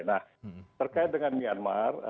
nah terkait dengan myanmar